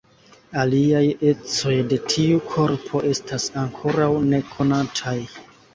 Aliaj ecoj de tiu korpo estas ankoraŭ nekonataj.